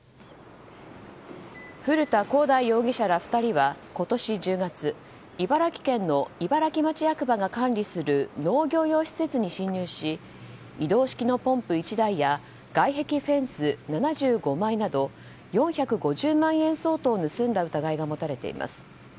古田広大容疑者ら２人は今年１０月茨城県の茨城町役場が管理する農業用施設に侵入し移動式のポンプ１台や外壁フェンス７５枚など４５０万円相当を盗んだ疑いが持たれています。